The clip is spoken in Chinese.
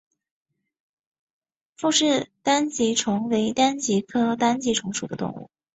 傅氏单极虫为单极科单极虫属的动物。